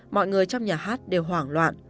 mọi người trong nhà hát đều hoảng loạn